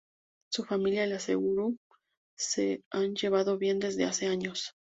Su familia y la de Suguru se han llevado bien desde hace años.